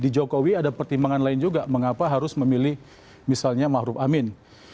jokowi ada pertimbangan lain juga mengapa harus memilih misalnya mahrub amin